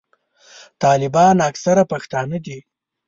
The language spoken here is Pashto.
طالبان اکثره پښتانه دي.